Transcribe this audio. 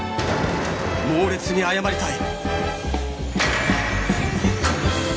猛烈に謝りたい